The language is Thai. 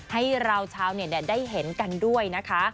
ให้เราชาวเน็ตได้เห็นกันด้วยนะคะ